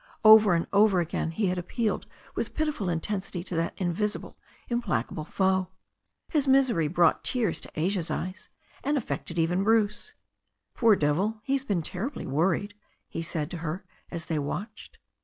Over and over again he had appealed with pitiful intensity to that invisible, implacable foe. His misery brought tears to Asia's eyes, and affected even Bruce. "Poor devil ! He has been terribly worried," he said to her as they watched.